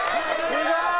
すごい！